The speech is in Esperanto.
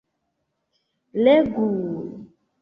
Legu...